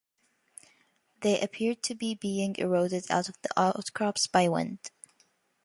They appeared to be being eroded out of the outcrops by wind.